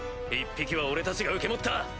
１匹は俺たちが受け持った！